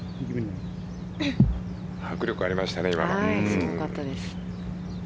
すごかったです。